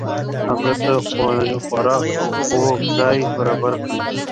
هغه ته خواړه او د خوب ځای برابر کړل شو.